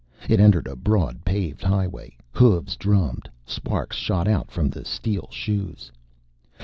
It entered a broad paved highway. Hooves drummed; sparks shot out from the steel shoes.